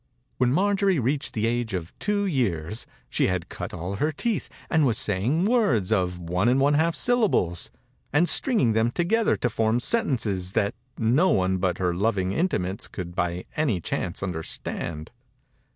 When Marjorie reached the age of two years she had cut all her teeth and was saying words of one and one half syllables, and stringing them together to form sentences that no one but her loving intimates could by any chance understand.